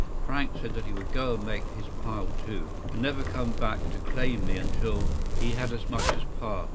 Frank said that he would go and make his pile, too, and never come back to claim me until he had as much as pa.